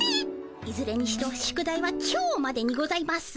いずれにしろ宿題は今日までにございます。